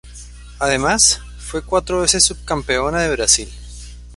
Además, fue cuatro veces subcampeona de Brasil.